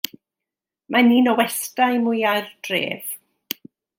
Mae'n un o westai mwya'r dref.